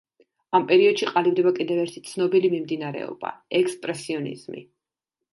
ამ პერიოდში ყალიბდება კიდევ ერთი ცნობილი მიმდინარეობა ექსპრესიონიზმი.